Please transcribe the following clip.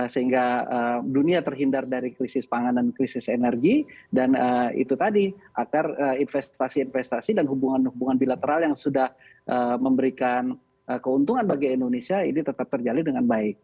sehingga dunia terhindar dari krisis pangan dan krisis energi dan itu tadi agar investasi investasi dan hubungan hubungan bilateral yang sudah memberikan keuntungan bagi indonesia ini tetap terjalin dengan baik